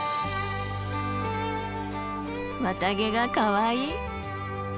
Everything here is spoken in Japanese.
綿毛がかわいい。